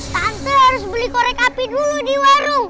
tante harus beli korek api dulu di warung